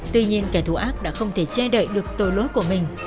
tuy nhiên kẻ thù ác đã không thể che đậy được tội lỗi của mình